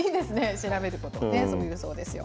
調べることをそう言うそうですよ。